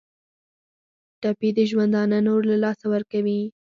ټپي د ژوندانه نور له لاسه ورکوي.